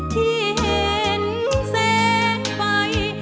ที่เห็นแสงไฟ